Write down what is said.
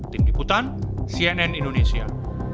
tim diputan cnn indonesia